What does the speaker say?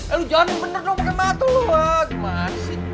eh lu jangan bener dong pake mata lo gimana sih